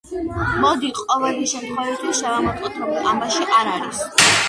მოდი ყოველი შემთხვევისთვის შევამოწმოთ, რომ ამაში არ არის.